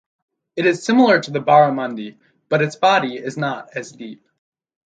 It is similar to the barramundi but its body is not as deep.